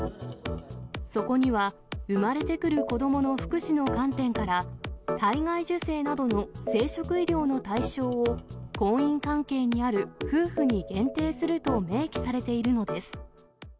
そこには、産まれてくる子どもの福祉の観点から、体外受精などの生殖医療の対象を婚姻関係にある夫婦に限定すると明記されているのです。